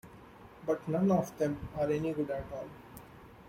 But none of them are any good at all.